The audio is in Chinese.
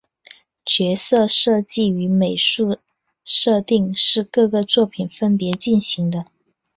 角色设计与美术设定是各个作品分别进行的。